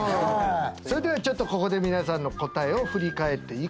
それではここで皆さんの答えを振り返っていこうと。